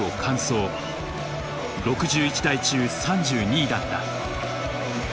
６１台中３２位だった。